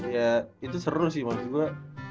ya itu seru sih maksud gue